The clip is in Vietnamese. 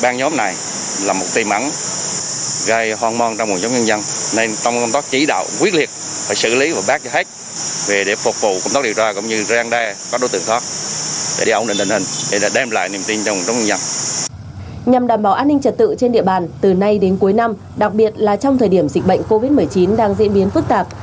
nhằm đảm bảo an ninh trật tự trên địa bàn từ nay đến cuối năm đặc biệt là trong thời điểm dịch bệnh covid một mươi chín đang diễn biến phức tạp